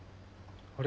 あれ？